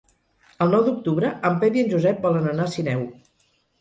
El nou d'octubre en Pep i en Josep volen anar a Sineu.